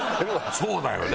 そうだよね。